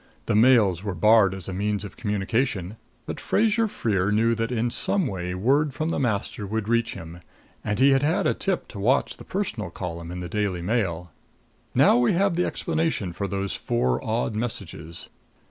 The mails were barred as a means of communication; but Fraser Freer knew that in some way word from the master would reach him, and he had had a tip to watch the personal column of the Daily Mail. Now we have the explanation of those four odd messages.